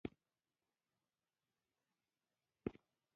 د افغانستان د ملي آرشیف نسخه د آر په نخښه ښوول کېږي.